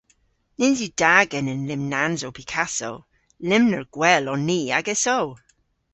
Nyns yw da genen lymnansow Picasso. Lymner gwell on ni agesso!